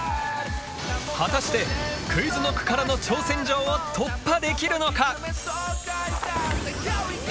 果たしてＱｕｉｚＫｎｏｃｋからの挑戦状を突破できるのか？